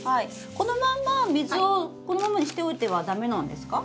このまんま水をこのまんまにしておいては駄目なんですか？